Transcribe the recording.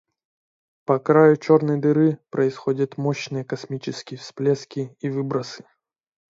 По краю черной дыры происходят мощные космические всплески и выбросы.